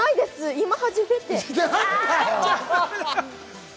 今初めて。